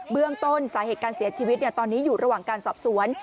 เรื่องต้นสาเหตุการเสียชีวิตตอนนี้อยู่ระหว่างการสอบสวน